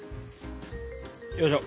よいしょ。